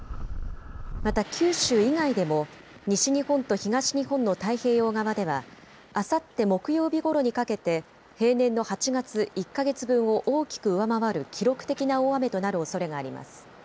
また九州以外でも西日本と東日本の太平洋側ではあさって木曜日ごろにかけて平年の８月１か月分を大きく上回る記録的な大雨となるおそれがあります。